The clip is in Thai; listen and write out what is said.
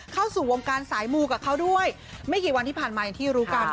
เข้าสู่วงการสายมูกับเขาด้วยไม่กี่วันที่ผ่านมาอย่างที่รู้กัน